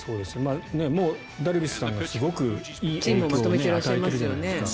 ダルビッシュさんがすごくいい影響を与えてるじゃないですか。